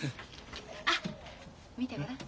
あっ見てごらん。